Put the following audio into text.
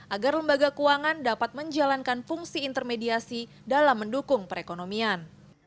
agar lembaga keuangan dapat menjalankan fungsi intermediasi dalam mendukung perekonomian